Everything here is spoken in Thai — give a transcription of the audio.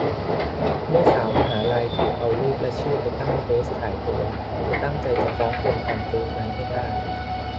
เมื่อสาวมหาลัย ถูกเอารูปและชื่อไปตั้งเฟซขายตัว เธอตั้งใจจะฟ้องคนทำเฟซนั้นให้ได้